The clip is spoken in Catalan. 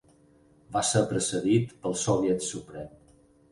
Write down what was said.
Va ser precedit pel Soviet Suprem.